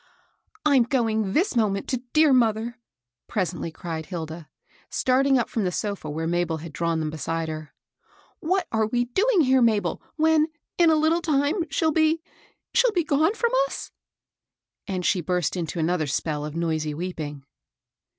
" I'm going this moment to dear mother," pres ently cried Hilda, starting up from the sofa where Mabel had drawn them beside her. *' What are we doing here, Mabel, when, in a little time, she'll be — she'll be gone from us?'* And she burst into another spell of noisy weeping.